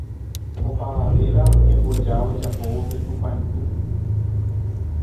opavavéva oñemboja ojapóvo pe tupãitũ